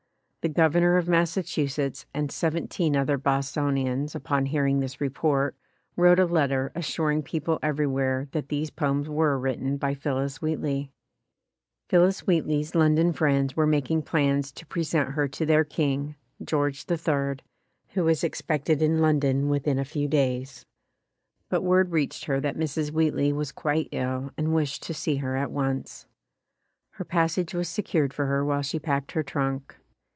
The Gov ernor of Massachusetts and seventeen other Bos tonians, upon hearing this report, wrote a letter assuring people everywhere that these poems were written by Phillis Wheatley. Phillis Wheatley's London friends were mak ing plans to present her to their king, George III, who was expected in London within a few days, but word reached her that Mrs. Wheatley was quite ill and wished to see her at once. Her pas sage was secured for her while she packed her trunk.